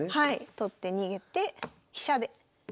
取って逃げて飛車で。